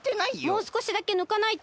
もうすこしだけぬかないと。